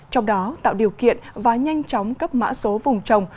trong đó tạo điều kiện và nhanh chóng cấp mã số vùng trồng